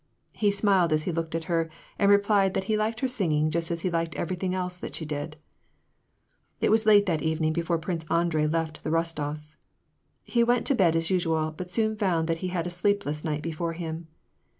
He smiled as he looked at her, and replied that he liked her singing just as he liked everything else that she did. It was late that evening before Prince Andrei left the Bos tofs'. He went to bed as usual, but soon found that he had a sleepless night before him.